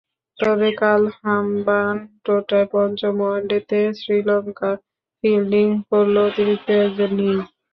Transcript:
তবে কাল হাম্বানটোটায় পঞ্চম ওয়ানডেতে শ্রীলঙ্কা ফিল্ডিং করল অতিরিক্ত একজন নিয়েই।